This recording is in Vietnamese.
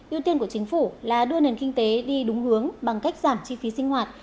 yêu tiên của chính phủ là đưa nền kinh tế đi đúng hướng bằng cách giảm chi phí sinh hoạt